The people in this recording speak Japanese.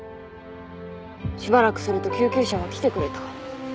しばらくすると救急車は来てくれた。